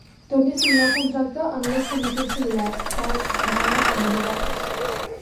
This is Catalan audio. Torni a signar el contracte en unes condicions similars, tal vegada amillorades.